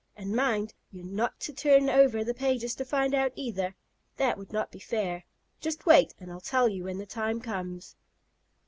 And mind, you're not to turn over the pages to find out, either. That would not be fair. Just wait, and I'll tell you when the times comes.